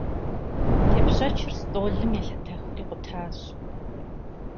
Тепщэчыр стӏолым елъэтэхри къутащ.